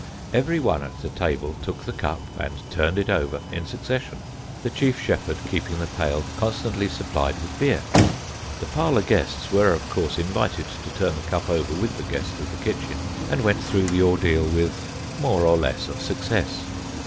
Every one at the table took the cup and 'turned it over' in succession, the chief shepherd keeping the pail constantly supplied with beer. The parlour guests were of course invited to turn the cup over with the guests of the kitchen, and went through the ordeal with more or less of success.